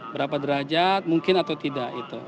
berapa derajat mungkin atau tidak